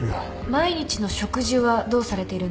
毎日の食事はどうされているんですか？